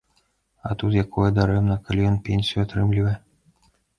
А тут якое дарэмна, калі ён пенсію атрымлівае.